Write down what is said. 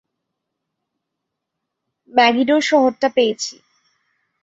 ম্যাগিডোর শহরটা পেয়েছি।